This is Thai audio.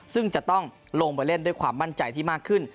ซึ่งจะต้องลงไปเล่นด้วยความมั่นใจที่มากขึ้น